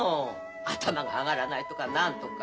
頭が上がらないとか何とか。